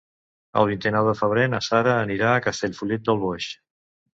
El vint-i-nou de febrer na Sara anirà a Castellfollit del Boix.